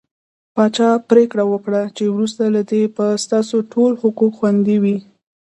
پاچا پرېکړه وکړه چې وروسته له دې به ستاسو ټول حقوق خوندي وي .